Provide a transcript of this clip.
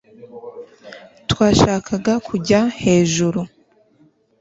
Twashakaga kujya hejuru